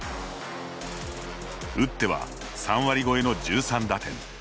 打っては３割超えの１３打点。